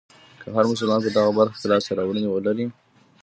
که هر مسلمان په دغه برخه کې لاسته راوړنې ولرلې.